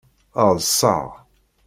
Ɛeḍseɣ.